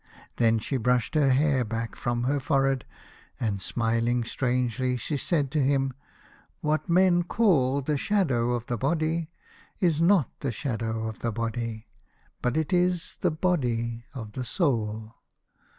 Then she brushed her hair back from her forehead, and smiling strangely she said to him, " What men call the shadow of the body is not the shadow of the body, but is the body of the 82 The Fisherman and his Soul. soul.